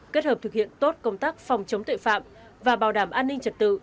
kết hợp thực hiện tốt công tác phòng chống tội phạm và bảo đảm an ninh trật tự